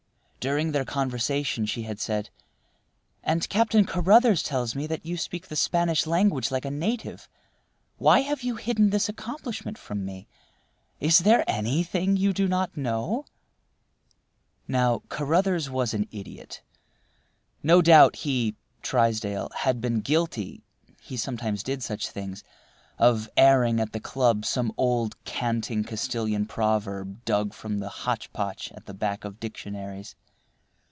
During their conversation she had said: "And Captain Carruthers tells me that you speak the Spanish language like a native. Why have you hidden this accomplishment from me? Is there anything you do not know?" Now, Carruthers was an idiot. No doubt he (Trysdale) had been guilty (he sometimes did such things) of airing at the club some old, canting Castilian proverb dug from the hotchpotch at the back of dictionaries.